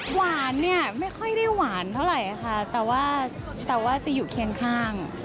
หวานเนี่ยไม่ค่อยได้หวานเท่าไหร่ค่ะแต่ว่าแต่ว่าจะอยู่เคียงข้าง